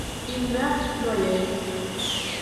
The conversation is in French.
Il meurt noyé.